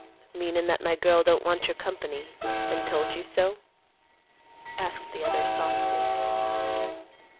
"Meanin' that my girl don't want your company, and told you so?" asked the other softly.